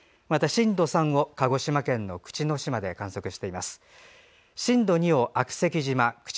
震度３を鹿児島県の口之島で観測しています。